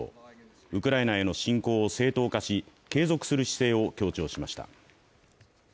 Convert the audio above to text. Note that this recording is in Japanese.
ウクライナへの侵攻を正当化し継続する姿勢を強調しました。